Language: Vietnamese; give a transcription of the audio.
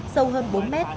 sâu hơn bốn m